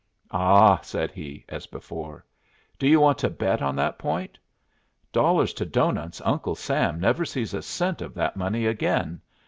"Ah!" said he, as before. "Do you want to bet on that point? Dollars to doughnuts Uncle Sam never sees a cent of that money again.